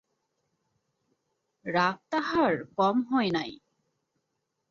রাগ তাহার কম হয় নাই।